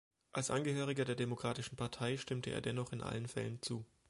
Als Angehöriger der Demokratischen Partei stimmte er dennoch in allen Fällen zu.